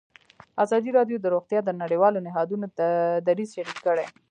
ازادي راډیو د روغتیا د نړیوالو نهادونو دریځ شریک کړی.